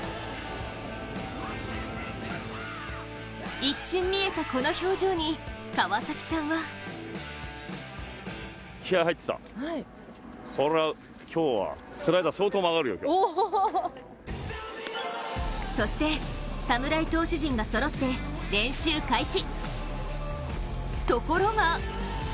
一瞬見えたこの表情に川崎さんはそして侍投手陣がそろって練習開始。